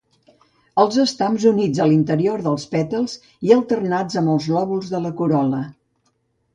Els estams units a l'interior dels pètals i alternats amb els lòbuls de la corol·la.